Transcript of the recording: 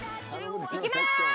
行きます！